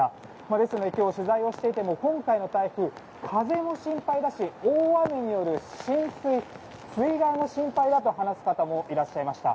ですので今日、取材をしていても今回の台風、風も心配だし大雨による浸水、水害も心配だと話す方もいらっしゃいました。